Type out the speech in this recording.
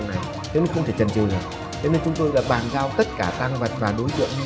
ngay lúc đó thì thủy chỉ hoan cho mình quyết định xảy ra đoạn hai